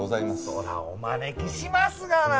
そらお招きしますがな。